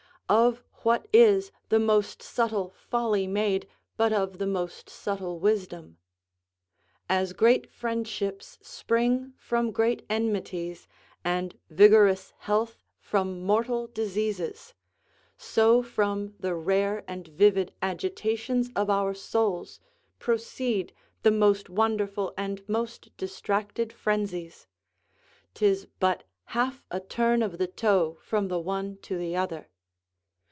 Of what is the most subtle folly made, but of the most subtle wisdom? As great friendships spring from great enmities, and vigorous health from mortal diseases, so from the rare and vivid agitations of our souls proceed the most wonderful and most distracted frenzies; 'tis but half a turn of the toe from the one to the other.